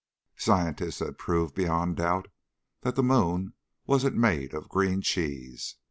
Scientists had proved beyond doubt that the moon wasn't made of green cheese.